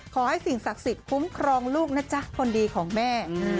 ขอให้สิ่งศักดิ์สิทธิ์คุ้มครองลูกนะจ๊ะคนดีของแม่